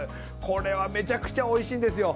これはめちゃくちゃおいしいんですよ。